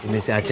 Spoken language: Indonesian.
nih si aceh